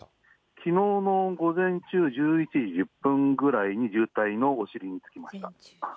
きのうの午前中１１時１０分ぐらいに渋滞のお尻につきました。